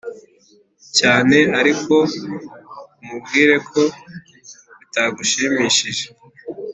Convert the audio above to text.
cyane ariko umubwire ko bitagushimishije,